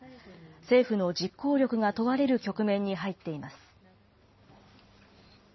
政府の実行力が問われる局面に入っています。